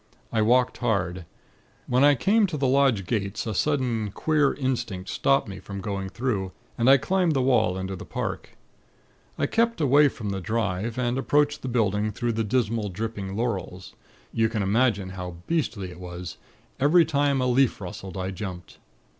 I walked hard. When I came to the lodge gates, a sudden, queer instinct stopped me from going through, and I climbed the wall into the park. I kept away from the drive, and approached the building through the dismal, dripping laurels. You can imagine how beastly it was. Every time a leaf rustled, I jumped.